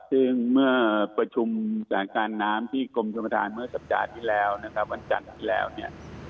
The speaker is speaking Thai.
ซึ่งเมื่อประชุมสถานการณ์น้ำที่กรมชมประธานเมื่อสัปดาห์ที่แล้วนะครับวันจันทร์ที่แล้วเนี่ย